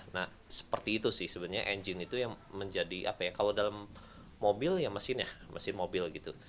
nah seperti itu sih sebenarnya engine itu yang menjadi apa ya kalau dalam mobil ya mesin ya mesin mobil gitu